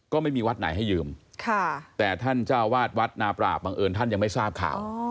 ก็ไม่มีวัดไหนให้ยืมแต่ท่านเจ้าวาดวัดนาปราบบังเอิญท่านยังไม่ทราบข่าว